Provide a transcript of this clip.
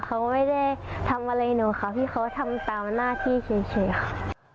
เขาไม่ได้ทำอะไรหนูค่ะพี่เขาทำตามหน้าที่เฉยค่ะ